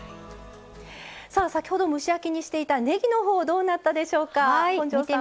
さあ先ほど蒸し焼きにしていたねぎのほうどうなったでしょうか本上さん？